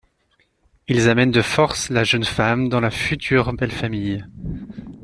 Ils amènent de force la jeune femme dans la future belle-famille.